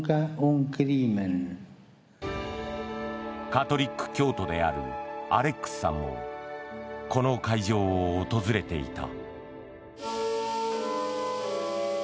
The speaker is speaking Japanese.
カトリック教徒であるアレックスさんもこの会場を訪れていた。